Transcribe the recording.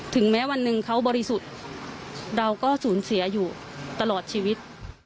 แม้วันหนึ่งเขาบริสุทธิ์เราก็สูญเสียอยู่ตลอดชีวิต